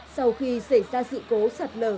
sau khi xảy ra sự cố sạt lở